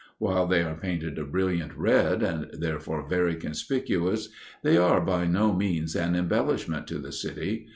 While they are painted a brilliant red and therefore very conspicuous, they are by no means an embellishment to the city.